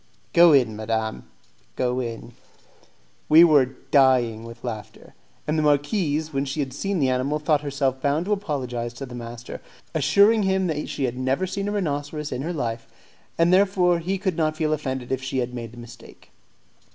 "Go in, madam, go in." We were dying with laughing; and the marquise, when she had seen the animal, thought herself bound to apologize to the master; assuring him that she had never seen a rhinoceros in her life, and therefore he could not feel offended if she had made a mistake.